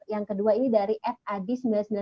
yang kedua ini dari f adi sembilan ratus sembilan puluh